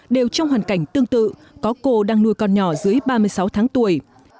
đều trong hoàn cảnh tương tự có cô đang nuôi con nhỏ dưới ba mươi sáu tháng tuổi